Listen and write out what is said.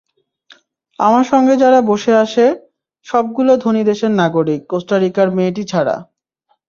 আমার সঙ্গে যারা বসে আসে সবগুলো ধনী দেশের নাগরিক, কোস্টারিকার মেয়েটি ছাড়া।